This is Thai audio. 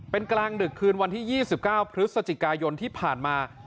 เป็นกลางดึกคืนวันที่๒๙พฤศจิกายนที่ผ่านมา